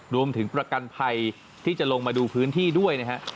รวมถึงประกันภัยที่จะลงมาดูพื้นที่ด้วยนะฮะ